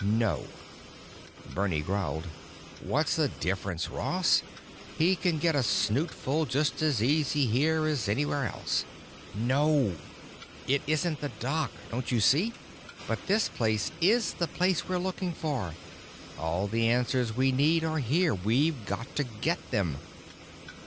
"No." Bernie growled, "What's the difference, Ross? He can get a snootful just as easy here as anywhere else——" "No! It isn't the Doc, don't you see? But this is the place we're looking for. All the answers we need are here; we've got to get them."